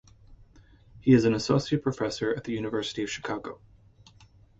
He is an associate professor at the University of Chicago.